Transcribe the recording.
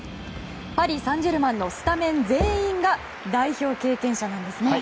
パリ・サンジェルマンのスタメン全員が代表経験者なんですね。